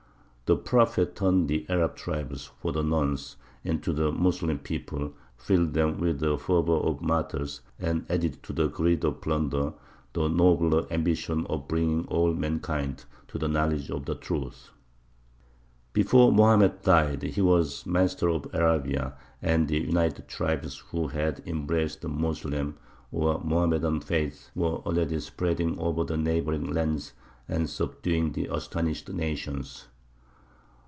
The Prophet turned the Arab tribes, for the nonce, into the Moslem people, filled them with the fervour of martyrs, and added to the greed of plunder the nobler ambition of bringing all mankind to the knowledge of the truth. Before Mohammed died he was master of Arabia, and the united tribes who had embraced the Moslem or Mohammedan faith were already spreading over the neighbouring lands and subduing the astonished nations.